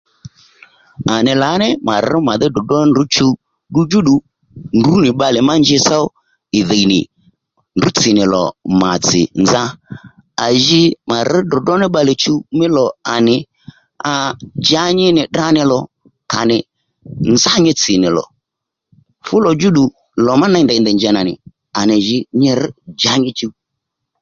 À nì lǎní mà rř màdhí ddròddró ní ndrǔ chuw ddudjúddù ndrǔ nì bbalè ma njitsó ì dhìy nì ndrǔ tsì nì lò màtsì nzá à ji mà rř ddròddró ní bbalè mílò à nì aa djǎnyi nì tdrǎ nì lò kànì nzá nyitsì nì lò fúlò djú ddù lò ma ney ndèynì ndèy njěy nànì à nì jǐ nyi rř djǎnyi chuw